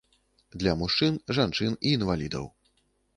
Для мужчын, жанчын і інвалідаў.